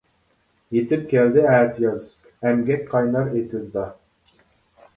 يىتىپ كەلدى ئەتىياز، ئەمگەك قاينار ئېتىزدا.